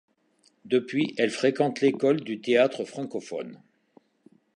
Depuis, elle fréquente l’École du Théâtre francophone.